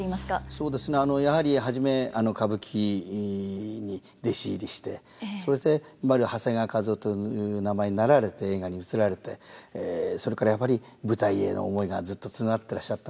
そうですねやはり初め歌舞伎に弟子入りしてそして今の長谷川一夫という名前になられて映画に移られてそれからやっぱり舞台への思いがずっとつながってらっしゃったんだと思いますね。